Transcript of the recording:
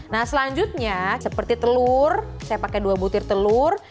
nah selanjutnya seperti telur saya pakai dua butir telur